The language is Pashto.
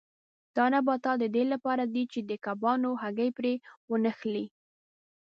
دا نباتات د دې لپاره دي چې د کبانو هګۍ پرې ونښلي.